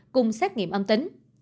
cùng xét nghiệm âm tính